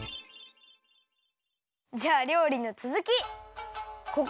じゃありょうりのつづき！